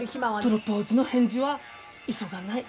プロポーズの返事は急がない。